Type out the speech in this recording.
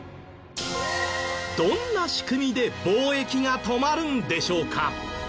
どんな仕組みで貿易が止まるんでしょうか？